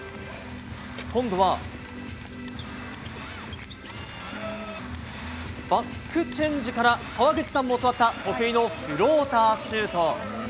今度は、バックチェンジから川口さんも教わった得意のフローターシュート！